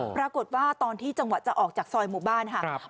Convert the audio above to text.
ตอนที่จังหวะจะออกจากซอยหมู่บ้านค่ะ